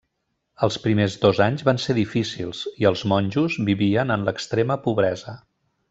Els primers dos anys van ser difícils, i els monjos vivien en l'extrema pobresa.